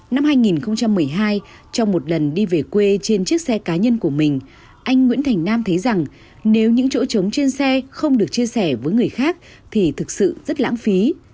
năm hai nghìn một mươi hai trong một lần đi về quê trên chiếc xe cá nhân của mình anh nguyễn thành nam thấy rằng nếu những chỗ trống trên xe không được chia sẻ với người khác thì thực sự rất lãng phí